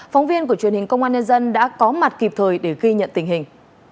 phóng viên của truyền hình công an nhân dân đã có mặt kịp thời để ghi nhận tình hình